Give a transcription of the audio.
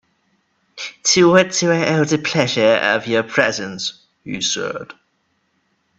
"To what do I owe the pleasure of your presence," he said.